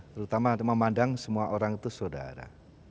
terutama memandang semua orang itu saudara